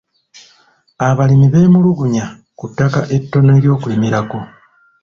Abalimi beemulugunya ku ttaka ettono ery'okulimirako.